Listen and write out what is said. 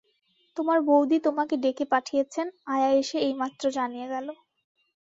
তোমার বউদি তোমাকে ডেকে পাঠিয়েছেন, আয়া এসে এইমাত্র জানিয়ে গেল।